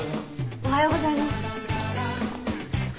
おはようございます。